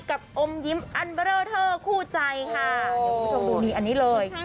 กับอมยิ้มอัลบร์เวอเทอร์คู่ใจค่ะเดี๋ยวประชุมดูอันนี้เลย